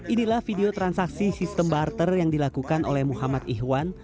inilah video transaksi sistem barter yang dilakukan oleh muhammad ihwan